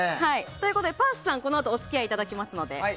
パースさんはこのあとお付き合いいただきますので。